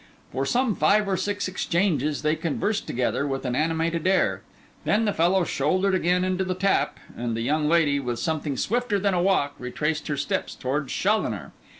For some five or six exchanges they conversed together with an animated air; then the fellow shouldered again into the tap; and the young lady, with something swifter than a walk, retraced her steps towards Challoner.